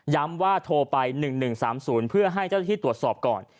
ว่าโทรไป๑๑๓๐เพื่อให้เจ้าที่ตรวจสอบก่อน